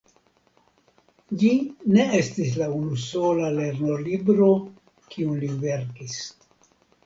Ĝi ne estis la unusola lernolibro kiun li verkis.